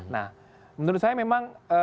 nah menurut saya memang